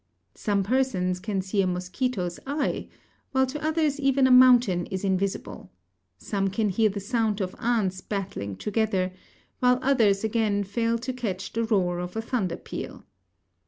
Some persons can see a mosquito's eye, while to others even a mountain is invisible; some can hear the sound of ants battling together, while others again fail to catch the roar of a thunder peal.